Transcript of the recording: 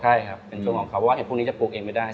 ใช่ครับเป็นส่วนของเขาเพราะว่าไอ้พวกนี้จะปลูกเองไม่ได้